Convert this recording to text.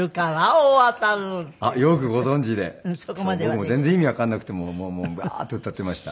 僕も全然意味わかんなくてもうバーって歌っていました。